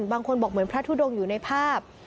บางคนบอกเหมือนพระทุดงอยู่ในภาพ